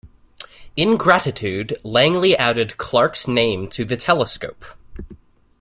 In gratitude, Langley added Clark's name to the telescope.